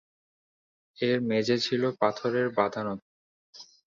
এর মেঝে ছিল পাথরে বাঁধানো।